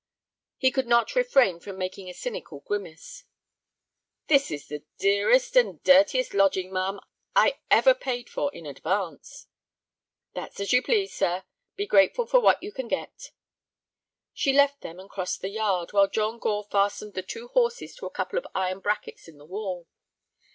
He could not refrain from making a cynical grimace. "This is the dearest and the dirtiest lodging, ma'am, I ever paid for in advance." "That's as you please, sir; be grateful for what you can get." She left them and crossed the yard, while John Gore fastened the two horses to a couple of iron brackets in the wall.